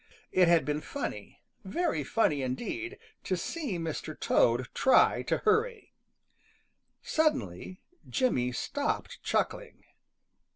It had been funny, very funny indeed, to see Mr. Toad try to hurry. Suddenly Jimmy stopped chuckling.